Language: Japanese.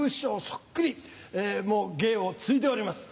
そっくり芸を継いでおります。